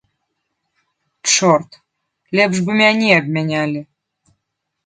Чорт, лепш бы мяне абмянялі.